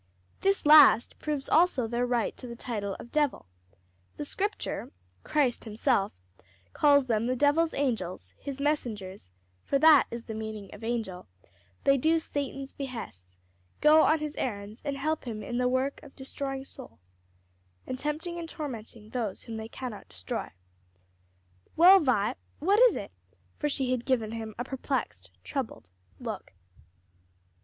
This last proves also their right to the title of devil. The scripture Christ himself calls them the devil's angels, his messengers; for that is the meaning of angel, they do Satan's behests, go on his errands and help him in the work of destroying souls and tempting and tormenting those whom they cannot destroy. Well, Vi, what is it?" For she had given him a perplexed, troubled look.